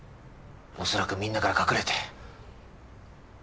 恐らくみんなから隠れて。